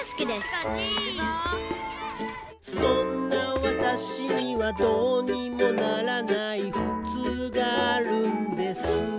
「そんな私には、どうにもならないふつうがあるんです」